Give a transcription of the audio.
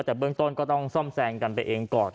แต่เบื้องต้นก็ต้องซ่อมแซมกันไปเองก่อน